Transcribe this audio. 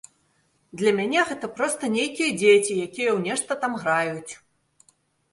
Для мяне гэта проста нейкія дзеці, якія ў нешта там граюць.